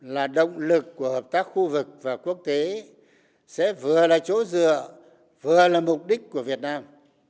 là động lực của hợp tác khu vực và quốc tế sẽ vừa là chỗ dựa vừa là mục đích của việt nam